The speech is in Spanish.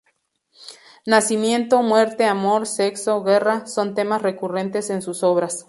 Nacimiento, muerte, amor, sexo, guerra, son temas recurrentes en sus obras.